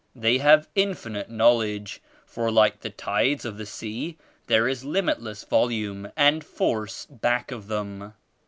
They have infinite Knowledge, for like the tides of the sea there is limitless vol ume and force back of them.